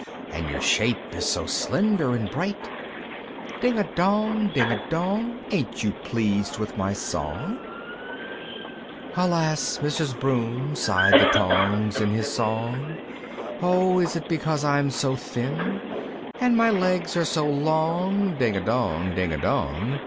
"And your shape is so slender and bright! "Ding a dong! Ding a dong! "Ain't you pleased with my song?" III. "Alas! Mrs. Broom!" sighed the Tongs in his song, "O is it because I'm so thin, "And my legs are so long Ding a dong! Ding a dong!